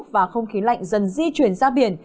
và không khí lạnh dần di chuyển ra biển